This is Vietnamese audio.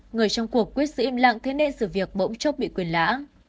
người trong cuộc quyết sự im lặng thế nên sự việc bỗng chốc bị quyền lã